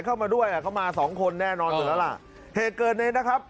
เข้ามาด้วยอ่ะเข้ามาสองคนแน่นอนอยู่แล้วล่ะเหตุเกิดในนะครับ